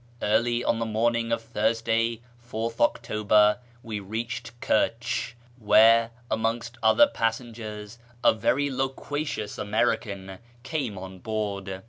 Early on the morning of Thursday, 4th October, we reached Kertch, where, amongst other passengers, a very loqua cious Ap ierican came on board.